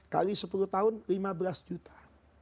kali sepuluh tahun lima belas juta